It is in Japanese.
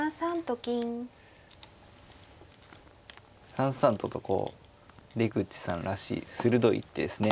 ３三ととこう出口さんらしい鋭い一手ですね。